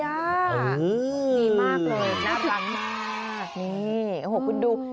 ดีมากเลยน่ารักมากนี่โอ้โหคุณดู